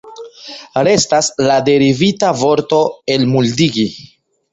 Restas la derivita vorto elmuldigi.